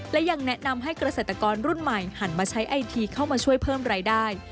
และยังแนะนำให้เกษตรกรรุ่นใหม่หันมาใช้ไอทีเข้ามาช่วยเพิ่มรายได้